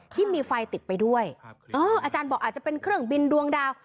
ที่มีไฟติดไปด้วยเอออาจารย์บอกอาจจะเป็นเครื่องบินดวงดาว